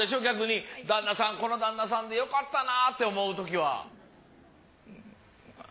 逆に旦那さんこの旦那さんでよかったなって思うときは。